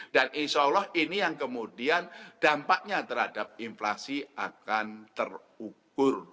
dan insya allah ini yang kemudian dampaknya terhadap inflasi akan terukur